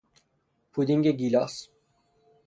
پودینگ گیلاس